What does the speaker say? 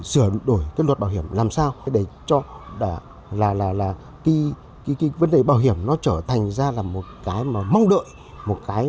sửa đổi luật bảo hiểm làm sao để cho vấn đề bảo hiểm trở thành ra là một cái mong đợi